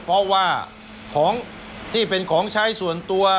เพราะว่าของที่เป็นของใช้ส่วนตัว